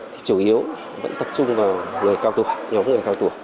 thì chủ yếu vẫn tập trung vào người cao tủa nhóm người cao tủa